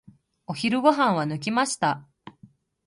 お昼ご飯は抜きました。